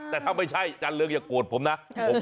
แต่ถ้าไม่ใช่จันเรืองอย่าโกรธผมนะ